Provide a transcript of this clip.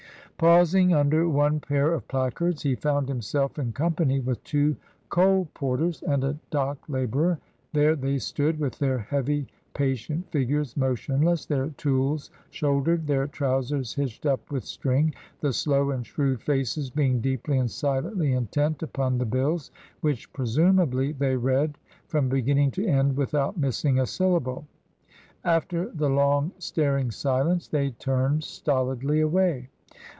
Pausing under one pair of placards, he found himself in company with two coal porters and a dock labourer ; there they stood, with their heavy, patient figures motionless, their tools shouldered, their trousers hitched up with string; the slow and shrewd faces being deeply and silently intent upon the bills, which presumably they read from beginning to end without missing a syllable. After the long, staring silence they turned stolidly away.